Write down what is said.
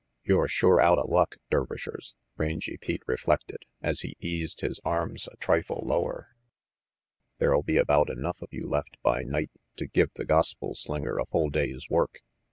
"You're sure outa luck, Dervishers," Rangy Pete reflected, as he eased his arms a trifle lower. "There'll be about enough of you left by night to give the gospel slinger a full day's work.